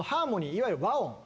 いわゆる和音。